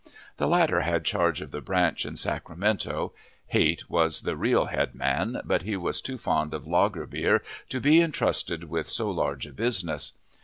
The latter had charge of the "branch" in Sacramento. Haight was the real head man, but he was too fond of lager beer to be in trusted with so large a business.